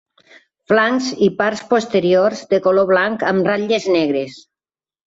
Flancs i parts posteriors de color blanc amb ratlles negres.